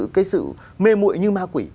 cái sự mê mụi như ma quỷ